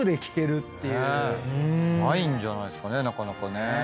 ないんじゃないですかねなかなかね。